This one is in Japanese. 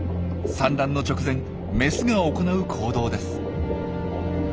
産卵の直前メスが行う行動です。